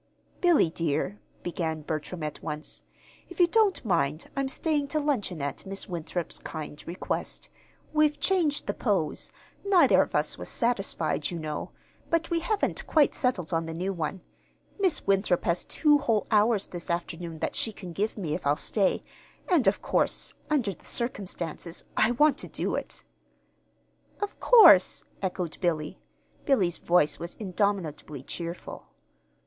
"Billy, dear," began Bertram at once, "if you don't mind I'm staying to luncheon at Miss Winthrop's kind request. We've changed the pose neither of us was satisfied, you know but we haven't quite settled on the new one. Miss Winthrop has two whole hours this afternoon that she can give me if I'll stay; and, of course, under the circumstances, I want to do it." "Of course," echoed Billy. Billy's voice was indomitably cheerful.